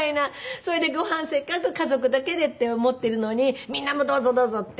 それでごはんせっかく家族だけでって思ってるのに「みんなもどうぞどうぞ」って。